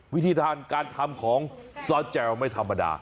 วิธีทานการทำของซอสแจลไม่ธรรมดา